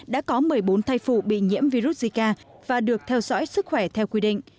đã có một mươi bốn thai phụ bị nhiễm virus zika và được theo dõi sức khỏe theo quy định